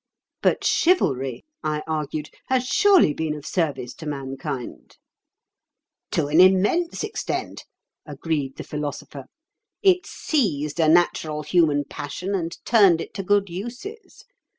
"But chivalry," I argued, "has surely been of service to mankind?" "To an immense extent," agreed the Philosopher. "It seized a natural human passion and turned it to good uses.